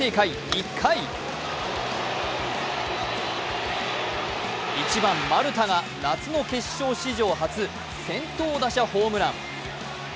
１回１番・丸太が夏の決勝史上初、先頭打者ホームラン。